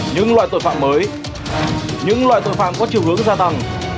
những loại tội phạm mới những loại tội phạm có chiều hướng gia tăng